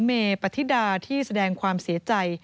เมปฏิดาที่แสดงความเสียใจ